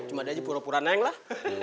cuma ada aja pura pura neng lah